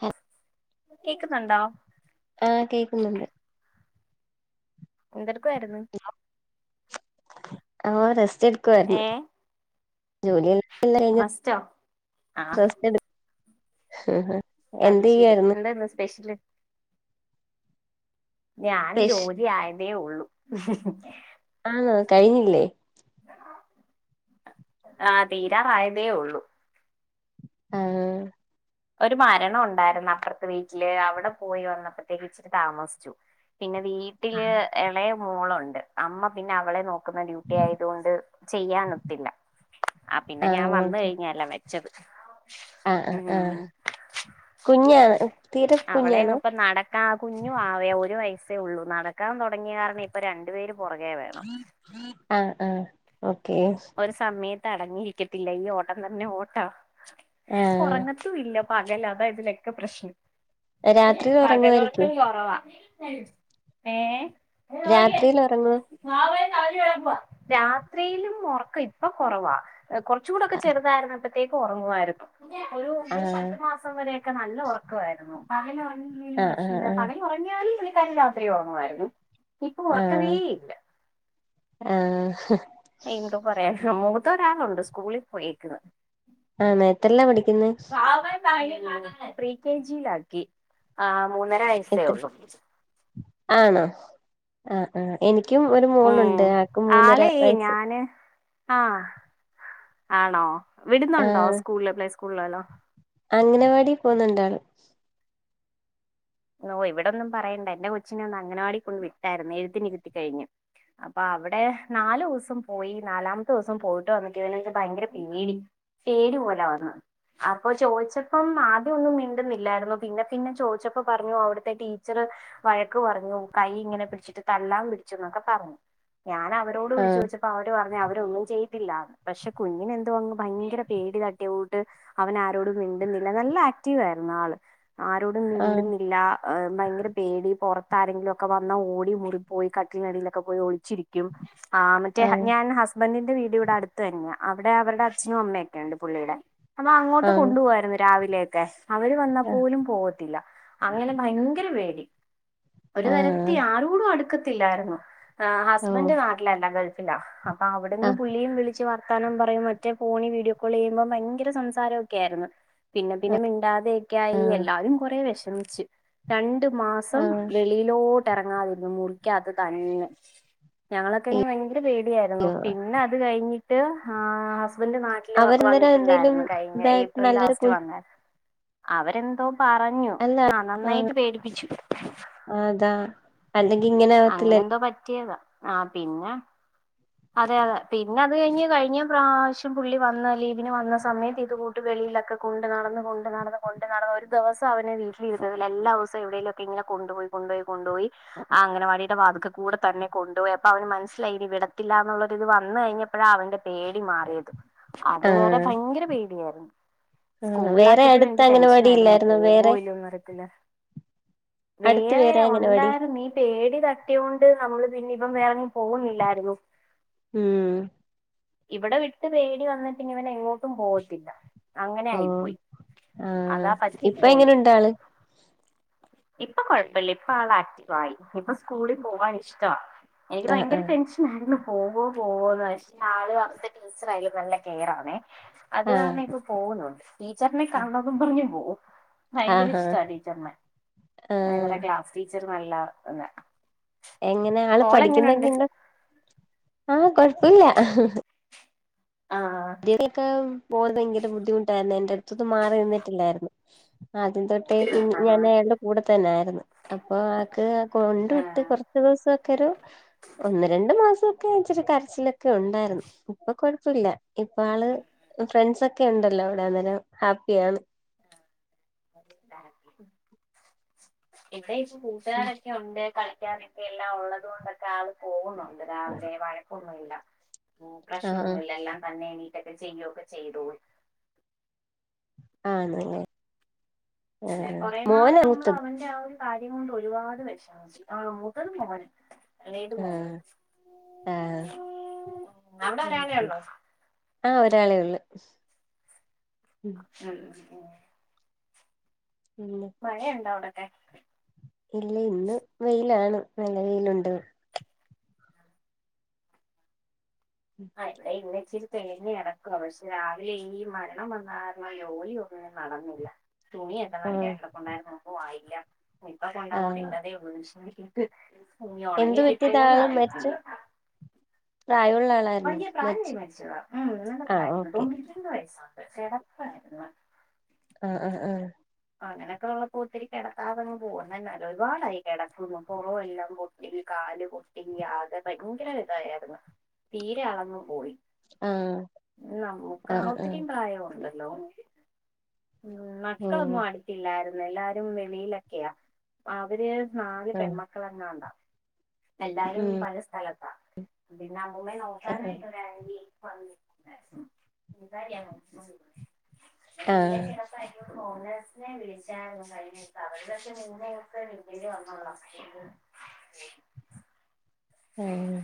ഹ കേക്കുന്നുണ്ടോ ആഹ് കേക്കുന്നുണ്ട്. എന്തെടക്കായിരുന്നു? ആഹ റെസ്റ്റ് എടുക്കുവായിരുന്നു ഏ ജോലി കഴിഞ്ഞ റസ്റ്റോ ആഹ് [unintelligible] അത ശെരി ന്താ സ്പെഷ്യല്? ഞാൻ സ്പെഷ് ജോലി ആയതേ ഉള്ളൂ. ആഹ് കഴിഞ്ഞില്ലേ ആഹ് തീരാറായതേ ഉള്ളു. ആഹ ഒരു മരണം ഒണ്ടായിരുന്നു അപ്പുറത്തെ വീട്ടില് അവിടെ പോയി വന്നപ്പോത്തേക്ക് ഇച്ചിരി താമസിച്ചു പിന്നെ വീട്ടില് എളയ മോളുണ്ട് അമ്മ പിന്നെ അവളെ നോക്ക് ക്ക്ന്ന് ഡ്യൂട്ടി ആയതുകൊണ്ട് ചെയ്യാൻനൊത്തില്ല. ആഹ് പിന്നെ ഞാൻ വന്ന് കഴിഞ്ഞാല്ലം ചക്ത് ആഹ് ആഹ് ആഹ് കുഞ്ഞാണ് തീരെ അവളെ കുഞ്ഞാണോ ങ്പ്പം നടക്കാ ആഹ് കുഞ്ഞു വാവയു ഒരു വയസേ ഉള്ളൂ. നടക്കാൻ തുടങ്ങിയാര്ണം ഇപ്പോ രണ്ടു പേരും ആഹ് ആഹ് ഓക്കെ ഒരു സമയത്ത് അടങ്ങിയിരിക്കത്തില്ല. ഈ ഓട്ടം തന്നെ ഓട്ടാ ആഹ് ഒറങ്ങത്തും ഇല്ല പകല് അതാ ഇതിലൊക്കെ പ്രശ്നം രാത്രിയിൽ ഉറങ്ങുവായിരിക്കും പകലൊറക്കം കുറവാ. ഏഹ് രാത്രിയിൽ ഒറങ്ങോ? രാത്രിയിലും ഒറക്കം ഇപ്പൊ കൊറവാ. കൊർചൂടെക്കെ ചെറുതായിര്ന്നപ്പ [unintelligible] ഒറങ്ങുവായിരുന്നു ആഹ് പത്ത് മാസം വരൊക്കെ നല്ല ഉറക്ക വായിരുന്നു പകല് ഒറ ന്തേ ആഹ് ആഹ് പ്രശ്നം ആഹ് പകൽ ഒറങ്യാലും പുള്ളിക്കാരി രാത്രി ഒറങ്ങുമായിരുന്നു. ഇപ്പൊ ആഹ് ഒറക്കവേയില്ല ആഹ് എന്തോ പറയാനാ മൂത്തൊരാളുണ്ട് സ്കൂളിൽ പോയേക്കുവാ ആന്നേ എത്ത്ല്ലാ പഠിക്ക്ന്നേ? പ്രീ കെ ജി ലാക്കി. ആഹ് മൂന്നര എത്ര വയസേള്ളു ആ ആ എനിക്കും ഒരു ഉം മോളുണ്ട് ആക്ക് മൂന്നര ആളെ വയസ്സ് ഞാന് ആഹ് ആണോ വിടുന്നുണ്ടോ സ്കൂൾല് പ്ലേ സ്കൂൾ ളെല്ലോ? അങ്ങനവാടി പോുന്നുണ്ടാള് ഓഹ് ഇവിടെന്നും പറയണ്ട എന്റെ കൊച്ചിനെ ഒന്ന് അങ്ങനവാടി കൊണ്ട് വിട്ടായിരുന്നു എഴുതിനിരുത്തി കഴിഞ്ഞ് അപ്പൊ അവിടെ നാലോസം പോയി നാലാമത്തോസം പോയിട്ട് വന്നിട്ട് ഇവനൻച്ചാ ഭയങ്കര പേടി പേടിപോലെ വന്ന് അപ്പൊ ചോയ്ച്ചപ്പം ആദ്യോന്നും മിണ്ടുന്നില്ലായിരുന്നു. പിന്നെ പിന്നെ ചോദിച്ച പ്പോ പറഞ്ഞു അവിടുത്തെ ടീച്ചറ് വഴക്ക് പറഞ്ഞു കൈ ഇങ്ങനെ പിടിച്ചിട്ട് തല്ലാൻ പിടിച്ചു ന്നൊക്കെ പറഞ്ഞു. ഞാൻ അവരോട് വിളിച്ചു ആഹ് പോദിച്ചപ്പോ അവര് പറഞ്ഞു അത് ഒന്നും ചെയ്ട്ടില്ല പക്ഷെ കുഞ്ഞിനെ എന്തോ ഭയങ്കര പേടി തട്ടിയാ കൂട് അവൻ ആരോടും മിണ്ട നല്ല ആക്റ്റീവ് ആയിരുന്നു ആള് ആരോടും ആഹ് മിൻണ്ടുന്നില്ല ഭയര പേടി പുറത്താരങ്കിലും ഒക്കെ വന്നാ ഓടി മുറിപ്പോയി കട്ടിനടിയിലൊക്കെ പോയി ഓടി ച്ചിരിക്കും ആ് മറ്റേ ആഹ് ഞാൻ ഹസ്ബൻറിന്റെ വീട് ഇവിടെ അടുത്ത തന്നെയാ അവിടെ അവരുടെ അച്ഛനും അമ്മയൊക്കെ ഉണ്ട് പുള്ളിയുടെ അപ്പൊ അങ്ങോട്ട് ആഹ് കൊണ്ടുപോവായിരുന്നു രാവിലെയൊക്കെ അവര് വന്നാ ആഹ് പോലും പോവത്തില്ല അങ്ങനെ ഭയങ്കര പേര് ഒരു തരത്തി ആഹ് ആരോടും അടുക്കത്തില്ലായിരുന്നു ആ ഓ ഹസ്ബൻഡന്റെ നാട്ടിലല്ല ഗൾഫിലാ അ അവിടെന്ന് ആഹ് പുള്ളിയും വിളിച്ച് പറ വസ്ഥാനം പറയും മറ്റേ ഫോണിൽ വീഡിയോ കോൾ ചെയ്യുമ്പോൾ ഭയങ്കര സംസാരം ഒക്കെ ആയിരുന്നു പിന്നെ പിന്നെ മിണ്ടാതെ ആഹ് എല്ലരും കൊറ വിഷമിച്ച രണ്ട് മാസം ആഹ് വെളിയിലോ ഇറങ്ങാതിരുന്നു മുറികത്തു തന്ന ഞങ്ങളൊക്കെ പേടിയായിരുന്നു അയ്യോ പിന്നെ അത് കഴിഞ്ഞിട്ട് ഹസ്ബൻഡറ് നാട്ടില് അവരന്നേരം എന്തേലും വന്നിട്ടുണ്ടായിരുന്നു കഴിഞ്ഞ ഇതായിട്ട് ഏപ്രിൽ നല്ലൊരു കു ലാസ്റ്റ് വന്നരുന്നു അവരെന്തോ പറാ അല്ല ആഹ ആഹ് നന്നായിട്ട് പേടിപ്പിച്ചു അതാ അല്ലെങ്കി ഇങ്ങനെ ആവത്തില്ല ആഹ പിന്നെ അതെ അതെ പിന്നെ അത് കഴിഞ്ഞ് കഴിഞ്ഞ പ്രാവശ്യം പുള്ളി വന്ന ലീവിന് വന്ന സമയത്ത് ഇത് കൂട്ട് വളി ൊക്കെ കൊണ്ട് നടന്ന കൊണ്ട് നടന്ന കൊണ്ട് നടന്ന ഒരു ദിവസം അവന വീട്ടിൽരുന്ന എല്ലാ ദിവസം എവിടേലൊക്കെ ഇങ്ങനെ കൊ കൊപയി കൊണ്ടു പോയി കൊുപോയി ആ അങ്ങനവാിയുടെ വാതക്ക കൂടെന്ന കൊണ്ടുപോയി അപ്പൊ അവന് മനസ്സിലായിനിവിട പില്ല എന്നുള്ള ഇത് വന്ന കഴിഞ്ഞപ്പോഴാ അവന്റെ പേടി മാറിയത് ആഹ് അത്വരെ ഭയങ്കര പേടിയായിരുന്നു ആഹ് സ്കൂളില വേറെ ആക്കിയപ്പോഴും അടുത്ത് എനിക്ക് ടെൻഷൻ അംഗനവാടി ആായിരുന്നു ഇല്ലായിരുന്നോ പോക വേറെ ഇല്ലോന്ന് പററത്തില്ല വേ അടുത്ത് വേറെ അംഗനവാടി ഉണ്ടായിരുന്നു നീ പേടി തട്ടിയൊണ്ട് നമ്മള് പിന്നെ ഇപ്പം വേറെൊന്നും പോകുന്നില്ലായിരുന്നു ഉം ഇവിടെ വിട്ട് പേടി വന്നിട്ടി ഇനി ഇവന എങ്ങോട്ടും പോകത്തില്ല അങ്ങനെ ഓ ആയി പോയി ആഹ് അതാ പറ്റി ഇപ്പ പോയി എങ്ങനുണ്ട് ആള് ഇപ്പൊ കൊഴപ്പില്ല ഇപ്പൊ ആൾ ആക്റ്റീവയി ഇപ്പ സ്കൂളിൽ പോവാൻ ഇഷ്ട എനിക്ക് ആഹ് ഭയങ്കര ആഹ് ടെൻഷന ആയിരുന്നു പോവോ പോവോന്ന് പക്ഷെ ആള് വത്തെ ടീച്ചർ ആയാലും നല്ല കെയറ ആണെ അത് ആഹ് കാരണം ഇപ്പം പോകുന്നുണ്ട് ടീച്ചറിനെ കാണണംന്ന പറഞ്ഞ് പോവു ഭയങ്കര ആഹാ ഇഷ്ട ടീച്ചറിന ആഹ് വറെ ക്ലാസ് ടീച്ചർ നല്ലന്ന എങ്ങനെ ആള് പഠിക്കുന്നൊക്കെണ്ട് ആഹ കൊഴപ്പില്ല ആ വിദ്യൊക്കെ പോകൻ ഭയങ്കര ബുദ്ധിമുട്ടായിരുന്നു എന്റെ അടുത്തൊും മാറി നിന്നിട്ടില്ലായിരുന്നു ആദ്യം തൊട്ടേ കുഞ് ഞാൻ ആ അയാളുടെ കൂടെ തന്നെ ആരുന്നു അപ്പൊ ആക്ക് കൊണ്ട വിട്ട് കുറച്ച ദിവസംക്കെ ഒരു ഒന്ന് രണ്ട് മാസം ച്ചിരി കരച്ചിലൊക്കെ ഉണ്ടായിരുന്നു ഇപ്പൊ കുഴപ്പില്ല ഇപ്പ ആള് ഫ്രണ്ട്സ്ക്കെ ഒക്കെ ഉണ്ടല്ലോ അവിടെ അന്നേരം ഹാപ്പിയ ആണ് ഇടെ ഇപ്പ കൂട്ടുകാരൊക്കെ ഉണ്ട് കള പിക്കാനൊക്കെ എല്ലാം ഉള്ളത കൊൊണ്ടൊക്കെ ആള് പോകുന്നുണ്ട് രാവിലെ വഴക്കൊന്നുമല്ല ആഹ് പ്രശ്നൊന്നുമില്ല എല്ലാം തന്നെ എണീട്ടൊക്കെ ചെയ്യൊക്കെ ചെയ്തു ആഹല്ലെ അല്ലെ കൊറെേ നാള് നമ്മൾ അവന്റെ ആ ഒരു കാര്യം കൊണ്ട് ഒരുപാട് വിഷമിച്ചി ആ മുതാണ് ആഹ് ആഹ് അവിടെ ഒരാളെ ഒള്ളോ ആഹ ഒരാളേ ഉള്ളു ഉം ഉ പിന്നെ മഴയുണ്ട അവിടക്കെ ഇല്ല ഇന്ന് വെയിലാണ് നല്ല വെയിലുണ്ട് ആ ഇവിടെ ഇന്ന ഇച്ചിരി തെളിഞ്ഞു ടക്കുവ പക്ഷെ രാവിലെ ഈ മരണം വന്നാരണം ജോലി ഒന്ന നട ന്നില്ല തുണി എന്തക്കാ ആഹ് ഇവിടെ കൊണ്ട നമുക്ക് വായില്ല ഇപ്പൊ കൊണ്ടോട്ട ആഹ് ഇല്ലതെ ഉ എന്ത് പറ്റിയത ആള് അറിയില്ല മരിച്ച പ്രായമുള്ള ആളായിരുന്നോ വലിയ പ്രായംമായി മരിച്ച് മരിച്ചതാണ് ഉ ആഹ് പ്രായമുണ്ട് ഓക്കെ തൊണ്ണൂറ്റ ര വയസ്സാണ് ചിടപ്പരുന്നു ആഹ ആഹ ആഹ അങ്ങനൊക്കെ ഉള്ളപ്പോ ഒത്തിരി കിടക്കാതങ് പോകുന്നന്ന ഒരുപാടായി കിടക്കന്ന പുറവും എല്ലാം പൊട്ട കാല് പൊട്ടി ആകെ ഭയങ്കര ഇതായിരുന്നു തീരെ ആളങ്ങു പോയി ആഹ് നമുക്ക് ആഹ് ആഹ് ഒത്തിരി ആഹ് പ്രായമുണ്ട് ലോ ഉം മക്കളൊന്നും ഓഹ് അടുത്തില്ലായിരുന്നു എല്ലാരും വെളിയിലൊക്കെയാ അവര് നാല് ആഹ് പെൺമക്കളങ്ങ ഉണ്ടാ എല്ലാരും ഉം പല സ്ഥലത്താ പിന്നെ അമ്മമ്മേ ആഹ് നോക്കാനായിട്ട്രാണി ആഹ് [unintelligible] ഓണേഴ്സിനെ വിളിച്ചായിരുന്നു കഴിഞ്ഞ അവിടെക്കെ നിങ്ങെയൊക്കെ വന്നല് വന്നോള്ള ആഹ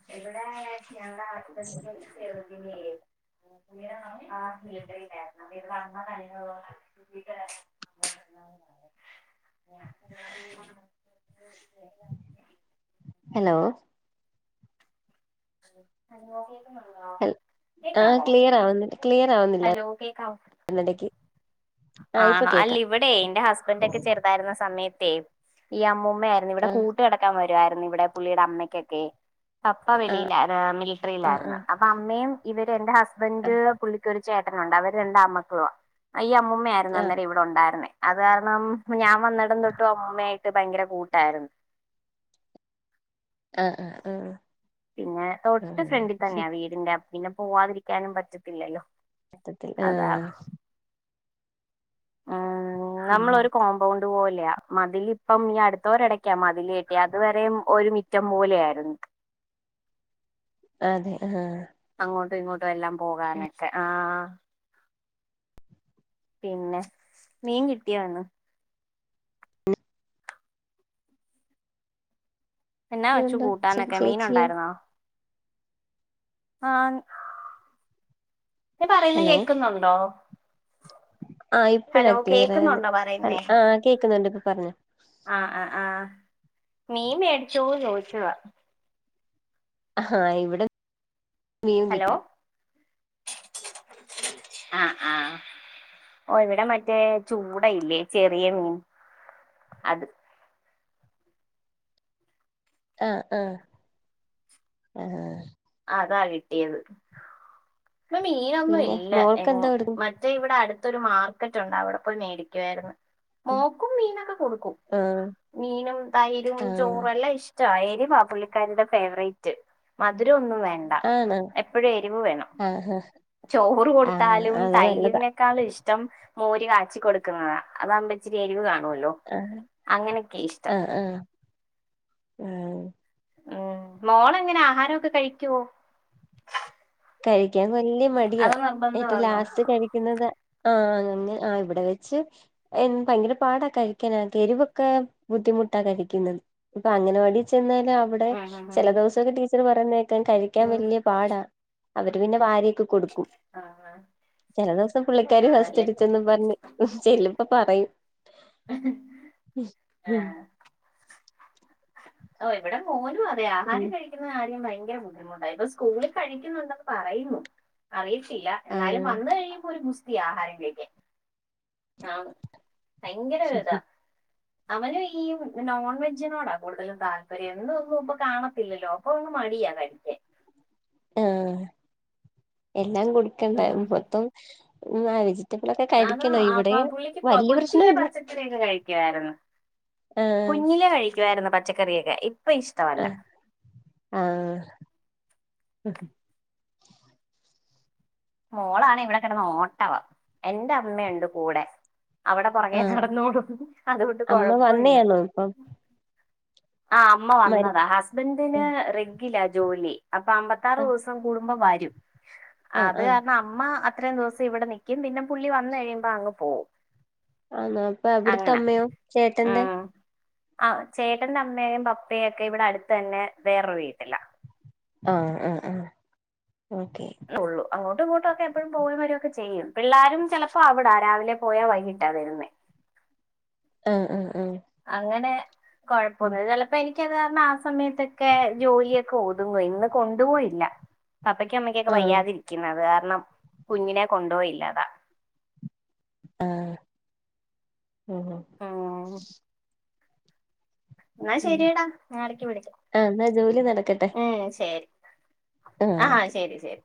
എവിടെ ഞ ആ [unintelligible] [unintelligible] ഹലോ [unintelligible] ഹ ആ കേക്കാവോ ക്ലിയർ ആവുന്ന ക്ലിയർ ഹലോ കേക്കാവോ ആവുന്നില്ലിടക്ക് ആണോ അല്ല ഇവിടെ എന്റെ ഹസ്ബൻഡ ഒക്കെ ചെറുതായിരുന്ന സമയത്ത് ഈ അമ്മൂമ്മയായിരുന്നു ഇവിടെ ആഹ് കൂട്ട് കിടക്കാൻ വരുായിരുന്നു ഇവിടെ പുള്ളിയുടെ അമ്മയ്ക്കൊക്കെ അ ആഹ് ആഹ് അമ്മയും ഇവര് എന്റെ ഹസ്ബന്് പ ചേട്ടനുണ്ട് അവര് രണ്ടാ അമ്മക്കളു ആ അയ്യ അമ്മൂമ്മ ആയിരുന്നു ആഹ് അന്നേരം ഇവിടെ ഉണ്ടായിരുന്നേ അത് കാരണം ഞാൻ വന്നിടം തൊട്ടും അമ്മയായിട്ട് ഭയങ്കര കൂട്ടായിരുന്നു ആഹ ആഹ ഉഹ പിന്നെ തൊട്ട് ഫ്രണ്ടിൽ തന്നെയാ വീടിന്റെ പിന്നെ പോവാതിരിക്കാനും പറ്റത്തില്ലല്ലോ സത്യത്തി അതാ ആഹ ഉം ഉം നമ്മളൊരു കോമ്പൗണ്ട് അതുപോലെയാ മതിൽപ്പം ഈ അടുത്തോരടക്കാ മതില കട്ടിയ അത്വര ഒരു മിറ്റം പോലെയ ആയിരുന്നു അതെ ആഹ ഇങ്ങോട്ടും ഇങ്ങോട്ടും എല്ലാം പോകാനൊക്കെ ആ പിന്നെ മീൻ കിട്ടിയോ ഇന്ന് എന്നാ വെച്ചു ഉണ്ടോ ചേ കൂട്ടാനൊക്കെ മീന ചേച്ചിയോ ഉണ്ടായിരുന്നോ ആഹ പറയുന്ന കേൾക്കുന്നുണ്ടോ ആഹ ഇപ്പോഴാ ക്ലിയർ ആയന്ന് കേക്കുന്നുണ്ടോ പറയുന്നേ ആഹ കേക്കുന്നുണ്ട് ഇപ്പൊ പറഞ്ഞു ആഹ് ആഹ് ആഹ മീൻ മേടിച്ചുന്ന് ചോദിച്ചവാ ആഹാ ഇവിടെ മീൻ ഹലോ കിട്ടും ആഹ് ആഹ് ഓ ഇവിടെ മറ്റേ ചൂടയില്ലേ ചെറിയ റും അത് ആഹ് ആഹ് ആഹ് അതാ കിട്യത് ഇന്ന് പിന്നെ മീനൊന്നുവില്ല എങ്ങും മോൾക്കെന്താ കൊടുക്കും മറ്റേ ഇവിടെ അട് ത്തോരു മാർക്കറ്റൊണ്ട് അവിടെ പോയി മേടിക്കുവാര്ന്ന് മോക്കും മീനൊക്കെ കൊടുക്കും ആഹ് മീനും തൈരും ആഹ് ചോറും എല്ലാം ഇഷ് ചായരിവാപുള്ളിക്കാരീടെ ഫേവറേറ്റ് മധുരോ ന്നും വേണ്ട ആണോ എപ്പഴും എരിവ് വേണം ആഹ് ചോറ് ആഹ് കൊടുത്താലും അത് നല്ലതാ തൈരിനെക്കാളും ഇഷ്ടം മോര് കാച്ചി കൊടുക്കുന്നതാ അതാവുമ്പോ ഇച്ചിരി എരിവ് കാ ണുല്ലോ ആഹ് അങ്ങനെക്കെ ഇഷ്ടം ആഹ് ആഹ് ആഹ് ഉം മോളെങ്ങന ആഹാരോക്കെ കയിക്കുവോ കഴിക്കാൻ വല്യ മടിയാ നിർബന്ധമാണോ എറ്റൊലാസ്റ്റ് കഴിക്ക്ന്നത് ആഹ് അനങ്ങ് ആഹ് ഇവിടെ വെച്ച് ഭയങ്കര പാടാ കഴിക്കാനെക്കെ എരിവെക്കെ ബുദ്ധി മുട്ട കഴിക്കുന്നത് ഇപ്പോ അംഗനവാടി ചെന്നാ അവിടെ ഉം ഉം ഉം ചെലദോവസൊക്കെ ടീച്ചർ പറയുന്നത് കേക്കാം കഴിക്കാൻ ഉം വല്യ പാടാ അവര് പിന്നെ വാരി ക്ക് കൊടുക്കും ആ ചെല ദേവസം പുള്ളികാരി ആണല്ലേ ഫസ്‌റ്റ്ടിച്ചെന്നും പറഞ്ഞ് ചെല്ലും ഇപ്പ പറയും ആ ഉം ഓ ഇവിടെ മോനുവതെ ആഹാരം പിന്നെ കഴിക്കുന്ന കാര്യം ബൈ ഭയങ്കര ബുദ്ധിമുട്ടായി ഇപ്പം സ്കൂളിൽ കഴിക്കുന്നുണ്ടന്ന് പറയുന്നു അറി ത്തില്ല എന്നാലും വന്ന് ആഹ് കഴിയുമ്പോ ഒരു ഗുസ്തിയ ആഹാരം കഴിക്കാൻ ആണ് ഭയങ്കരോരുതാ അവനും ഈ നോൺ വെജിനോടാ കൂടുതലും താല്പര്യം എന്നും ന്നും ഇപ്പൊ കാണത്തില്ലല്ലോ അപ്പൊ ഒന്നും മ ട്യ കഴിക്കാൻ ആഹ് എല്ലാം കൊടുക്കണ്ടാ ഉം. [unintelligible] മൊത്തം [unintelligible] അതാ കഴിക്കണം ഇവിടെ അപ്പം പുള്ളിക്ക് കൊ വല്യ പ്രശ്നം കൊച്ചിലെ ഇല്ല പച്ചക്കറിയെക്കെ കയിക്രുരുന്ന്. ആഹ് കുഞ്ഞിലെ കഴിക്കുവായിരുന്നു പച്ചക്കറിയെക്കെ അ ആഹ് അ മോളാണെ ഇവിടെ കെടന്ന് ഓട്ടവാ എൻ്റെ അമ്മയുണ്ട് കൂടെ അവിടെ പുറകേ ആഹ് നടന്നോളും അതുകൊണ്ട് അമ്മ കൊഴപ്പം ഇല്ല വന്നയാണോ ഇപ്പം ആ അമ്മ മരു വന്നതാ ഹസ്ബൻഡിന് റെഗില ജോലി അപ്പം അമ്പത്താറ് ആഹ് ദിവസം കൂടുമ്പോ വരും ആഹ് അത് ആഹ് കാരണം അമ്മ- ഇത്രയും ദിവസം ഇവിടെ നിക്കും പിന്നെ പുള്ളി വന്ന് കഴിയുമ്പോ അങ്ങ് പോവും ആണോ അപ്പൊ ഇവിടത്തെ അങ്ങനെ അമ്മയോ ചേട്ടന്റെ- ഉം ആ ചേട്ടന്റെ അമ്മയും പപ്പയും ഒക്കെ ഇവിടെ അടുത്ത് തന്നെ വേറൊരു വീട്ടില ആഹ് ആഹ് ആഹ് ഓക്കെ അത്ര ഉള്ളു ആ- അങ്ങോട്ടു ഇങ്ങോട്ടുക്കെ എപ്പോഴും പോകും വരുവെക്കെ ചെയ്യും പിള്ളാരും ചെലപ്പോ അവിടെ രാവിലെ പോയാ വൈകിട്ടാ വരുന്നേ ആ ഹ് ആഹ് അങ്ങനെ ആഹ് കൊഴപ്പമെന്നുമില്ല ചെലപ്പോ എനിക്ക് - എനിക്ക് അത് കാരണം ആ സമയത്തൊക്കെ ജോലിയൊക്കെ ഓതുങ്ങുവെ ഇന്ന് കൊണ്ട് പോയില്ല പപ്പക്കും അമ്മക്കൊക്കെ ആഹ് വയ്യാതിരിക്കുന്നു അത് കാരണം കുഞ്ഞിനെ കൊണ്ടുപോയില്ല അതാ ആ ഉം ഉം എന്നാ ശെരിയടാ ഞാൻ ഇടക്ക് വിളിക്കാം എന്നാ ജോലി നടക്കട്ടെ ഉം ശരി ആഹ് ആ ഓക്കെ ശരി ശരി